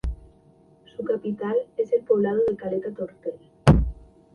Su capital es el poblado de Caleta Tortel.